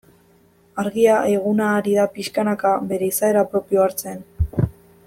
Argia eguna ari da pixkanaka bere izaera propioa hartzen.